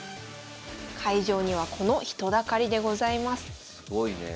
会場にはこの人だかりでございます。